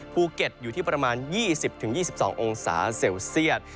ภูเก็ตอยู่ที่ประมาณ๒๐๒๒องศาเซลเซียต